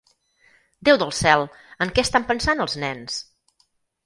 Déu del cel, en què estan pensant els nens?